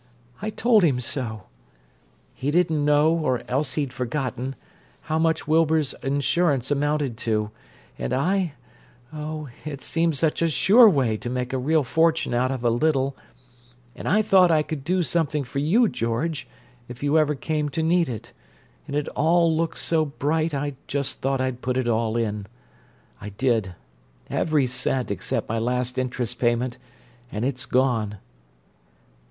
"I told him so. He didn't know, or else he'd forgotten, how much Wilbur's insurance amounted to, and I—oh, it seemed such a sure way to make a real fortune out of a little—and I thought I could do something for you, George, if you ever came to need it—and it all looked so bright I just thought I'd put it all in. I did—every cent except my last interest payment—and it's gone."